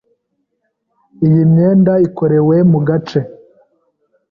Iyi myenda ikorerwa mugace.